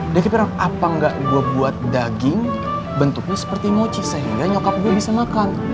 dia kepikiran apa gak gue buat daging bentuknya seperti mochi sehingga nyokap gue bisa makan